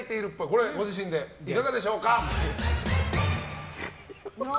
これはご自身でいかがでしょうか。